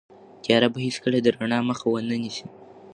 تیاره به هیڅکله د رڼا مخه ونه نیسي.